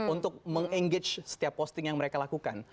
untuk meng engage setiap posting yang mereka lakukan